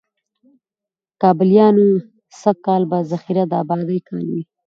په کابليانو سږ کال به د خیره د آبادۍ کال وي،